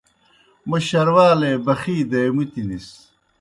موْ شروالے بخی دے مُتنِس۔